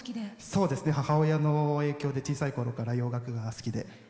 そうですね、母親の影響で小さいころから洋楽が好きで。